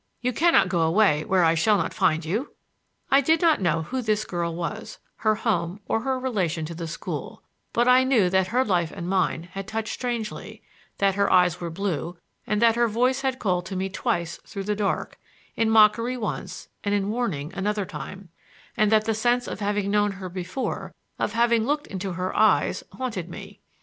"You can not go away where I shall not find you!" I did not know who this girl was, her home, or her relation to the school, but I knew that her life and mine had touched strangely; that her eyes were blue, and that her voice had called to me twice through the dark, in mockery once and in warning another time, and that the sense of having known her before, of having looked into her eyes, haunted me.